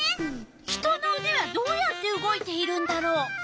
人のうではどうやって動いているんだろう？